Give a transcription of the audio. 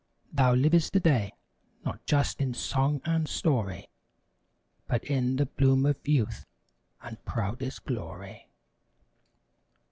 Thou liv'st today, not just in song and story. But in the bloom of youth and proudest glory!